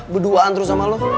berduaan terus sama lo